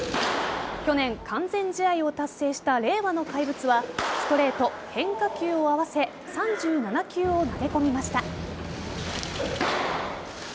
去年完全試合を達成した令和の怪物はストレート、変化球を合わせ３７球を投げ込みました。